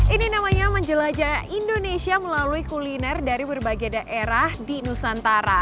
ini namanya menjelajah indonesia melalui kuliner dari berbagai daerah di nusantara